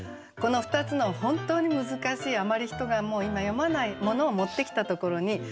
この２つの本当に難しいあまり人がもう今読まないものを持ってきたところに